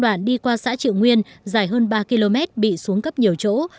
đoạn đi qua xã triệu nguyên dài hơn ba km bị xuống cấp nhiều chỗ